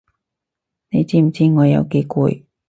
你知唔知我有幾攰？